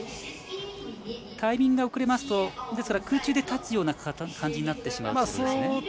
タイミングが遅れますと空中で立つような感じになってしまうんですね。